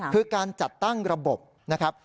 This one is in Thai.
คือการจัดตั้งระบบนะครับ